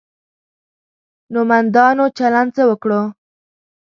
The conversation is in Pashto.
نومندانو چلند څه وکړو.